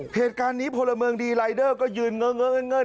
เหตุการณ์นี้พลเมิงดีก็ยืนเงิน